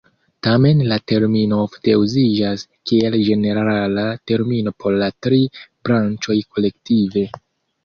Tamen, la termino ofte uziĝas kiel ĝenerala termino por la tri branĉoj kolektive.